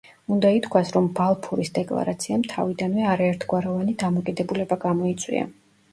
უნდა ითქვას, რომ „ბალფურის დეკლარაციამ“ თავიდანვე არაერთგვაროვანი დამოკიდებულება გამოიწვია.